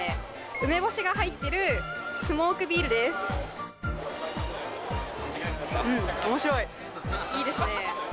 梅干しが入ってるスモークビールですいいですね